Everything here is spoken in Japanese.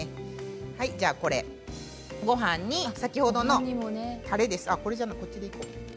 ごはんに先ほどのたれです。